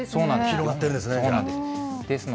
広がってるんですね。